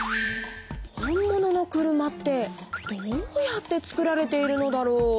本物の車ってどうやって作られているのだろう？